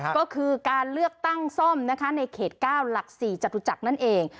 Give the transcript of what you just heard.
ก็คือการเลือกตั้งซ่อมนะคะในเขต๙หลัก๔จตุจักรนั่นเอง